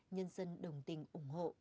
nhân dân đồng tình ủng hộ